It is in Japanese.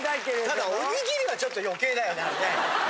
ただおにぎりはちょっと余計だよねあれね。